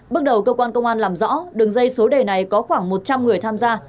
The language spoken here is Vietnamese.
bước đầu cơ quan công an làm rõ đường dây số đề này có khoảng một trăm linh người tham gia